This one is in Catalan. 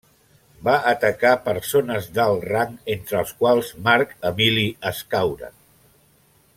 Va atacar persones d'alt rang entre els quals Marc Emili Escaure.